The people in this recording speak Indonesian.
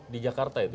di jakarta itu ya